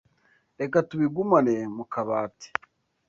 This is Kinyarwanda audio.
Reka tubigumane mu kabati.